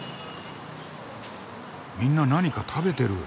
みんな何か食べてる。